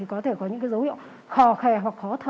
có thể có những dấu hiệu khò khè hoặc khó thở